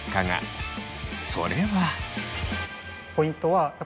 それは。